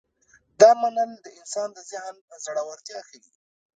دا منل د انسان د ذهن زړورتیا ښيي.